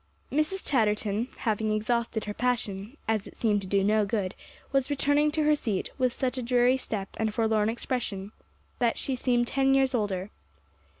Mrs. Chatterton, having exhausted her passion, as it seemed to do no good, was returning to her seat, with such a dreary step and forlorn expression that she seemed ten years older.